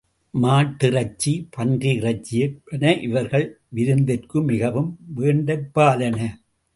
மாட்டிறைச்சி, பன்றி இறைச்சி என்பன இவர்கள் விருந்திற்கு மிகவும் வேண்டற்பாலன.